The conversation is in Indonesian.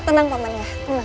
tenang paman ya tenang